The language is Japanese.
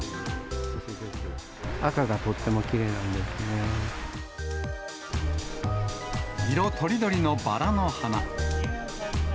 赤がとってもきれいなんです色とりどりのバラの花。